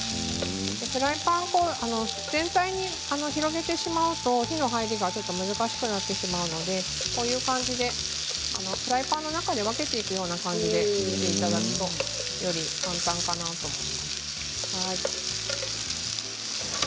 フライパン全体に広げてしまうと火の入りが難しくなってしまうのでこういう感じでフライパンの中で分けていくような感じにしていただくとより簡単かなと思います。